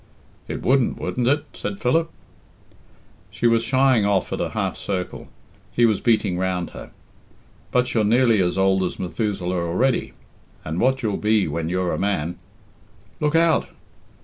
"It wouldn't, wouldn't it?" said Philip. She was shying off at a half circle; he was beating round her. "But you're nearly as old as Methuselah already, and what you'll be when you're a man " "Lookout!"